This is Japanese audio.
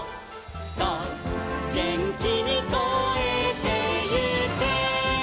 「そうげんきにこえてゆけ」